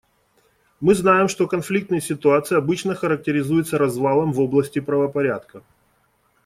Мы знаем, что конфликтные ситуации обычно характеризуются развалом в области правопорядка.